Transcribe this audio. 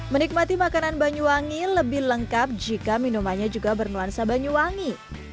menikmati makanan banyuwangi lebih lengkap jika minumannya juga bernuansa banyuwangi